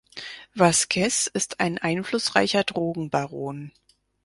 Vasquez ist ein einflussreicher Drogenbaron.